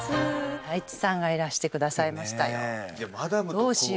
大地さんがいらして下さいましたよ。